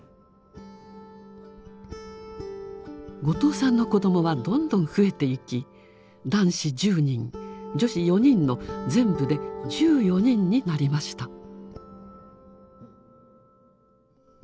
後藤さんの子どもはどんどん増えていき男子１０人女子４人の全部で１４人になりました。